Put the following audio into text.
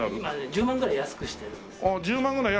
１０万ぐらい安くしてるんですよ。